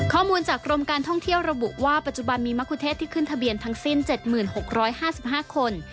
ข้อมูลจากกรมการท่องเที่ยวระบุว่าปัจจุบันมีมะคุเทศที่ขึ้นทะเบียนทั้งสิ้น๗๖๕๕คน